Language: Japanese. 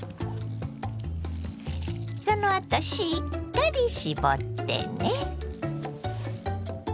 そのあとしっかり絞ってね。